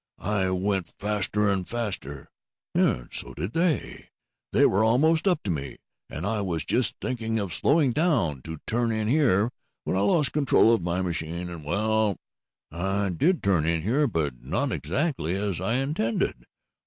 I went faster and faster, and so did they. They were almost up to me, and I was just thinking of slowing down to turn in here, when I lost control of my machine, and well, I did turn in here, but not exactly as I intended.